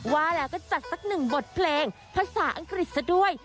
ว่าแล้วก็จัดสักหนึ่งบทเพลงภาษาอังกฤษซะด้วย